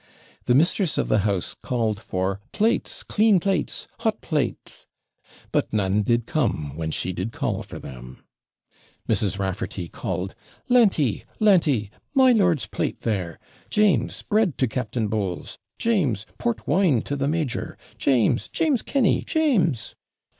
The mistress of the house called for 'plates, clean plates! hot plates!' 'But none did come, when she did call for them.' Mrs. Raffarty called 'Larry! Larry! My lord's plate, there! James! bread to Captain Bowles! James! port wine to the major! James! James Kenny! James!'